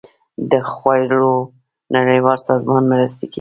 د خوړو نړیوال سازمان مرستې کوي